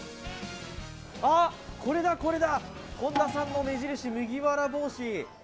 あっ、これだ、これだ本田さんの目印、麦わら帽子。